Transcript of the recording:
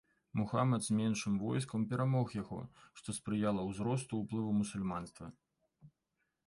Мухамад з меншым войскам перамог яго, што спрыяла ўзросту ўплыву мусульманства.